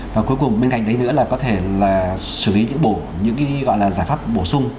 và cuối cùng bên cạnh đấy nữa là có thể là xử lý những bổ những cái gọi là giải pháp bổ sung